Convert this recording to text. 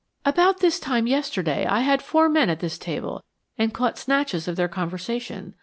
"About this time yesterday I had four men at this table and caught snatches of their conversation.